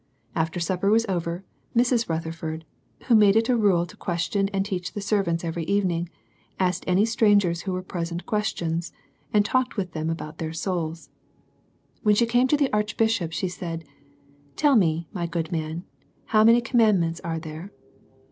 After supper was over, Mrs. Rutherford, who made it a rule to question and teach the servants every evening, asked any strangers who were present questions, and talked to them about their souls. When she came to the Archbishop, she said, " Tell me, my good man, how many commandments are there?"